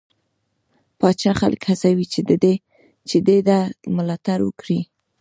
پاچا خلک هڅوي چې دې ده ملاتړ وکړي.